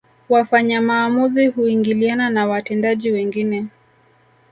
Wafanya maamuzi huingiliana na watendaji wengine